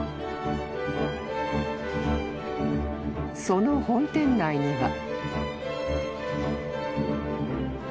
［その本店内には］